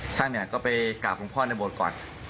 ท่านก็ไปกราบหลวงพ่อในโบสถก่อน